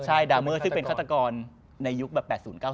ใช่ดาเมอร์ซึ่งเป็นฆาตกรในยุคแบบ๘๐๙๙